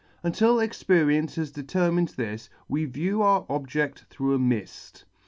Until experience has determined this, we view our objedt through a mill